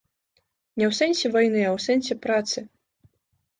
Не ў сэнсе вайны, а ў сэнсе працы.